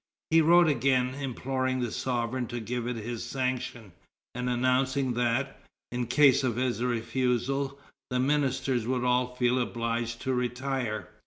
He wrote again, imploring the sovereign to give it his sanction, and announcing that, in case of his refusal, the ministers would all feel obliged to retire.